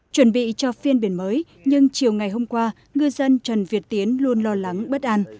chuẩn bị cho phiên biển mới nhưng chiều ngày hôm qua ngư dân trần việt tiến luôn lo lắng bất an